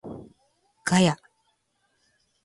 ガヤ